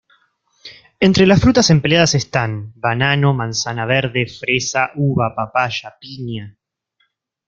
Entre las frutas empleadas están: banano, manzana verde, fresa, uva, papaya, piña.